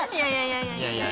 いやいや。